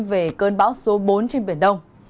về cơn bão số bốn trên biển đông